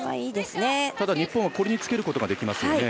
ただ、日本はこれにつけることができますね。